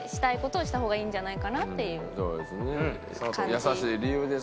優しい理由です。